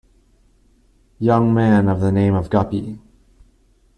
Young man of the name of Guppy!